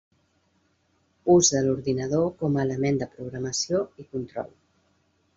Ús de l'ordinador com a element de programació i control.